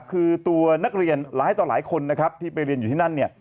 คือตัวนักเรียนหลายต่อหลายคนนะครับที่ไปเรียนอยู่ที่นั่นเนี่ย